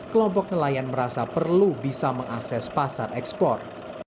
kelompok nelayan merasa perlu bisa mengakses pasar ekspor